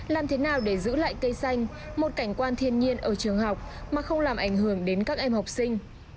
làm thế nào để giữ lại cây xanh một cảnh quan thiên nhiên ở trường học mà không làm ảnh hưởng đến các em học sinh